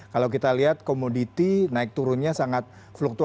kalau kita lihat komoditi naik turunnya sangat fluktual